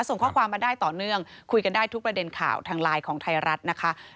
ส่งข้อความมาได้ต่อเนื่องคุยกันได้ทุกประเด็นข่าวทางไลน์ของไทยรัฐนะคะ